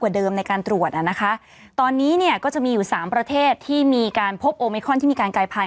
เดี๋ยวพี่ให้ดูเนี่ย